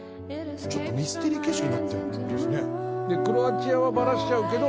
ちょっとミステリー形式になってるんですね。